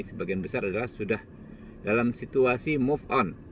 sebagian besar adalah sudah dalam situasi move on